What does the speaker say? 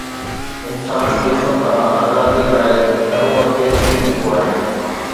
انسان ظلم کان آزاديءَ لاءِ گهڻو اڳتي نڪري چڪو آهي.